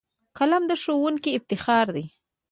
قلم د ښوونکیو افتخار دی